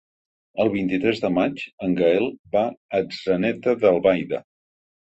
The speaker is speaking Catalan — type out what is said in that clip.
El vint-i-tres de maig en Gaël va a Atzeneta d'Albaida.